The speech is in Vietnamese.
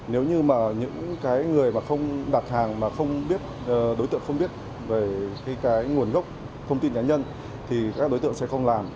nếu như mà những người đặt hàng mà đối tượng không biết về nguồn gốc thông tin nhà nhân thì các đối tượng sẽ không làm